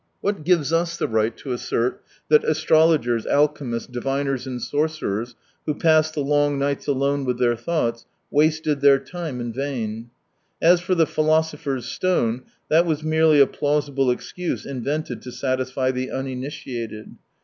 What gives us the right to assert that astrologers, alchemists, diviners, and sorcerers who passed the long nights alone with their thoughts, wasted their time in vain f As for the philosopher's stone, that was merely a plausible excuse invented to satisfy the uninitiated.